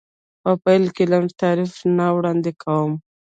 په پیل کې لنډ تعریف نه وړاندې کوم.